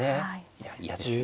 いや嫌ですね。